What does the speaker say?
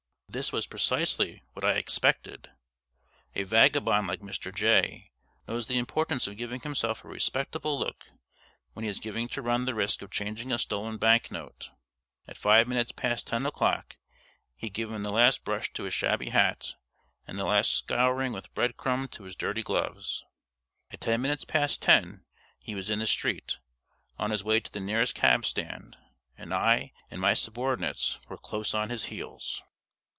This was precisely what I expected. A vagabond like Mr. Jay knows the importance of giving himself a respectable look when he is going to run the risk of changing a stolen bank note. At five minutes past ten o'clock he had given the last brush to his shabby hat and the last scouring with bread crumb to his dirty gloves. At ten minutes past ten he was in the street, on his way to the nearest cab stand, and I and my subordinates were close on his heels.